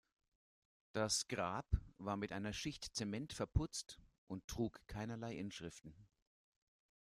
Das Grab war mit einer Schicht Zement verputzt und trug keinerlei Inschriften.